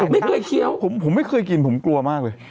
ผมไม่เคยเคี้ยวผมไม่เคยกินผมกลัวมากเลย